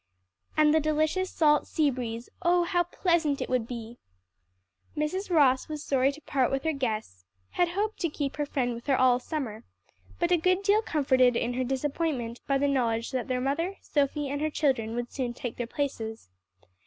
And the delicious salt sea breeze, oh, how pleasant it would be! Mrs. Ross was sorry to part with her guests, had hoped to keep her friend with her all summer, but a good deal comforted in her disappointment, by the knowledge that her mother, Sophie and her children would soon take their places.